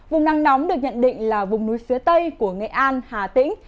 vùng nắng nóng được nhận định là vùng núi phía tây của nghệ an hà tĩnh